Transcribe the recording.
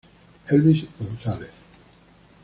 Elvis González